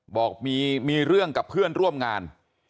บอกมีเรื่องกับเพื่อนร่วมงาน